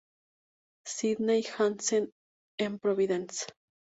Sydney Hansen en Providence.